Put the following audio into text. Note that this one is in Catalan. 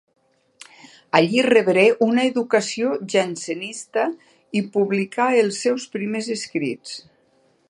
Allí rebé una educació jansenista i publicà els seus primers escrits.